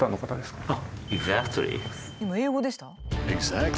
今英語でした？